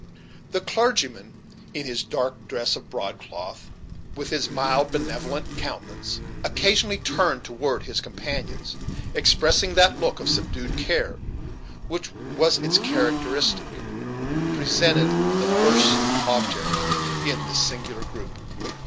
The clergyman in his dark dress of broadcloth, with his mild, benevolent countenance occasionally turned toward his companions, expressing that look of subdued care which was its characteristic, presented the first object in this singular group.